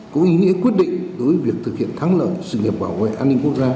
có ý nghĩa quyết định đối với việc thực hiện thắng lợi sự nghiệp bảo vệ an ninh quốc gia